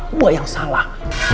gue yang salah